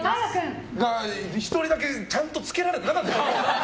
１人だけちゃんとつけられてなかった。